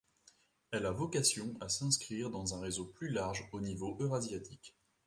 Elle a vocation à s'inscrire dans un réseau plus large au niveau eurasiatique.